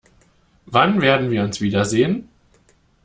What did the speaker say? Wann werden wir uns wiedersehen?